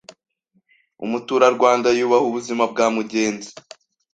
Umuturarwanda yubaha ubuzima bwa mugenzi